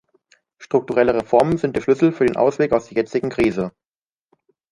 Strukturelle Reformen sind der Schlüssel für den Ausweg aus der jetzigen Krise.